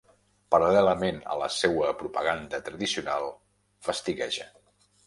Paral·lelament a la seua propaganda tradicional, fastigueja.